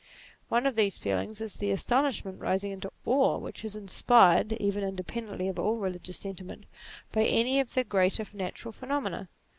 One of these feelings is the astonishment, rising into awe, which is inspired (even independently of all religious sentiment) by any of the greater natural phenomena.